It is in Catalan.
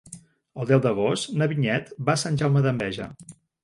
El deu d'agost na Vinyet va a Sant Jaume d'Enveja.